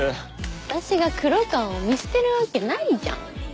私が黒川を見捨てるわけないじゃん。